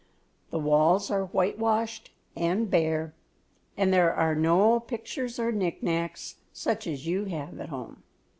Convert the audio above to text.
The walls are whitewashed and bare, and there are no pictures or knick knacks such as you have at home.